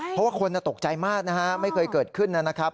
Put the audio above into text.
เพราะว่าคนตกใจมากนะฮะไม่เคยเกิดขึ้นนะครับ